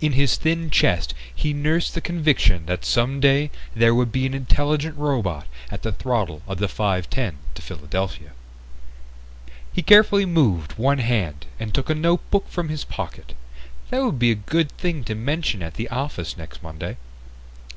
In his thin chest he nursed the conviction that someday there would be an intelligent robot at the throttle of the 5:10 to Philadelphia. He carefully moved one hand and took a notebook from his pocket. That would be a good thing to mention at the office next Monday.